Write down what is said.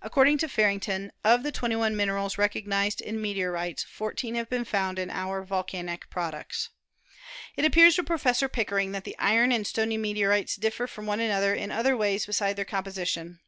According to Farrington, of the twenty one min erals recognised in meteorites, fourteen have been found in our volcanic products. It appears to Professor Pickering that the iron and stony meteorites differ from one another in other ways besides their composition.